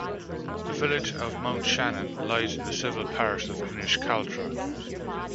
The village of Mountshannon lies in the civil parish of Inishcaltra.